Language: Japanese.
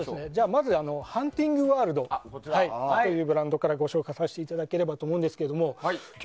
まずハンティング・ワールドというブランドからご紹介させていただければと思うんですけれども。